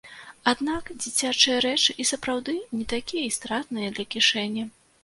Аднак дзіцячыя рэчы і сапраўды не такія і стратныя для кішэні!